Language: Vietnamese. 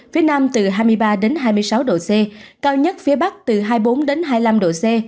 phía nam từ hai mươi ba đến hai mươi sáu độ c cao nhất phía bắc từ hai mươi bốn đến hai mươi năm độ c